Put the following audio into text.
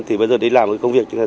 thì bây giờ để làm công việc